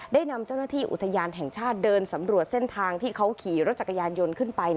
นำเจ้าหน้าที่อุทยานแห่งชาติเดินสำรวจเส้นทางที่เขาขี่รถจักรยานยนต์ขึ้นไป